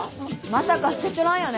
まさか捨てちょらんよね？